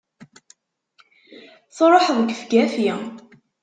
Truḥeḍ gefgafi!